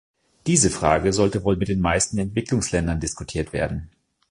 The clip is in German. Diese Frage sollte wohl mit den meisten Entwicklungsländern diskutiert werden.